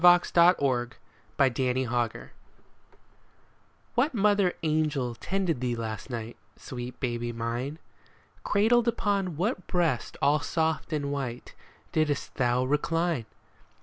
A MOTHER'S QUESTION What mother angel tended thee last night, Sweet baby mine ? Cradled upon what breast all soft and white Didst thou recline